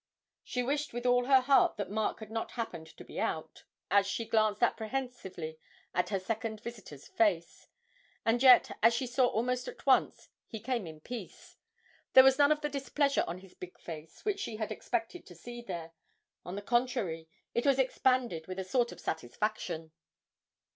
She wished with all her heart that Mark had not happened to be out, as she glanced apprehensively at her second visitor's face; and yet, as she saw almost at once, he came in peace there was none of the displeasure on his big face which she had expected to see there; on the contrary, it was expanded with a sort of satisfaction.